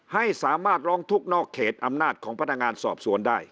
ให้สามารถร้องทุกข์นอกเขตอำนาจของพนักงานสอบสวนได้